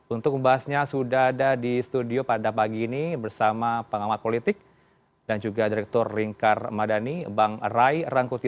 untuk membahasnya sudah ada di studio pada pagi ini bersama pengamat politik dan juga direktur ringkar madani bang ray rangkuti